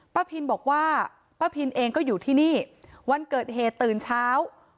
พินบอกว่าป้าพินเองก็อยู่ที่นี่วันเกิดเหตุตื่นเช้า